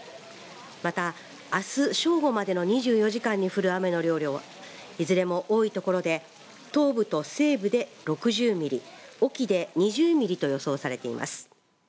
また、あす正午までの２４時間に降る雨の量はいずれも多いところで東部と西部で６０ミリ隠岐で２０ミリと予想されています。